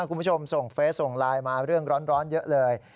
คุณผู้ชมส่งเฟสส่งไลน์มาเรื่องร้อนเยอะเลย